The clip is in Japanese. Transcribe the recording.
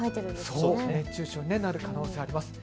熱中症になる可能性、あります。